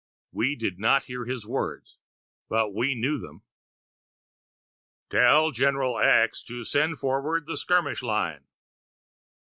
We did not hear his words, but we knew them: "Tell General X. to send forward the skirmish line."